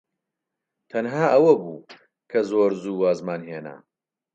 تەنها ئەوە بوو کە زۆر زوو وازمان هێنا.